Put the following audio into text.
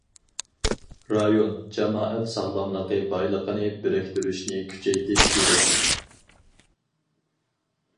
رايون جامائەت ساغلاملىقى بايلىقىنى بىرىكتۈرۈشنى كۈچەيتىش كېرەك.